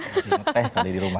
masih ngeteh kali di rumah